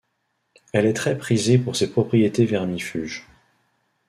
Elle est très prisée pour ses propriétés vermifuges.